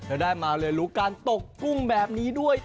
ได้มาเรียนรู้การตกกุ้งแบบนี้ด้วย